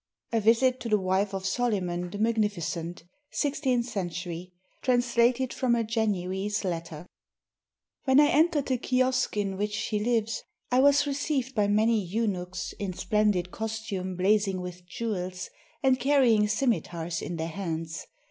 A VISIT TO THE WIFE OF SOLYMAN THE MAGNIFICENT [Sixteenth century] TRANSLATED FROM A GENOESE LETTER When I entered the kiosk in which she lives, I was re ceived by many eunuchs in splendid costume blazing with jewels, and carrying scimitars in their hands.